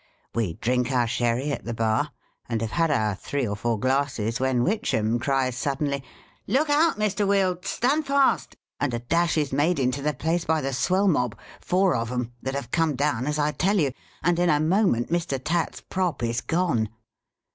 We drink our sherry at the bar, and have had our three or four glasses, when Witchem cries, suddenly, ' Look out, Mr. Wield ! stand fast !' and a dash is made into the place by the swell mob — four of 'em — that have come down as I tell you, and in a moment Mr. Tatt's prop is gone